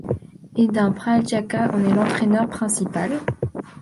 Edin Prljaca en est l’entraîneur principal.